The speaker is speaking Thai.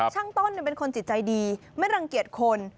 ช่างต้นเป็นคนจิตใจดีไม่รังเกียจคน